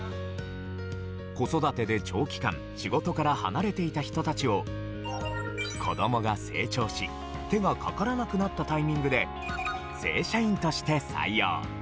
子育てで長期間仕事から離れていた人たちを子供が成長し手がかからなくなったタイミングで正社員として採用。